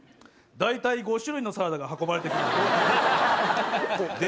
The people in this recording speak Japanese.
大体５種類のサラダが運ばれてくるぜぇ。